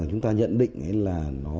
chúng ta nhận định là